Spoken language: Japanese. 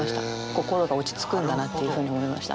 心が落ち着くんだなっていうふうに思いました。